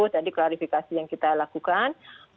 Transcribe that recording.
tadi klarifikasi yang kita lakukan